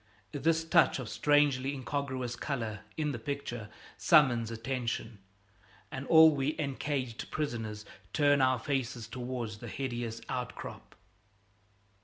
This touch of strangely incongruous color in the picture summons attention, and all we encaged prisoners turn our faces towards the hideous outcrop.